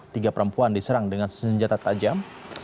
tiga perempuan diserang dengan senjata tajam